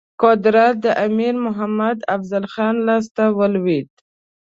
قدرت د امیر محمد افضل خان لاسته ولوېد.